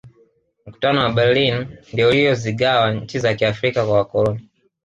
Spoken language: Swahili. mkutano wa berlin ndiyo uliyozigawa nchi za kiafrika kwa wakoloni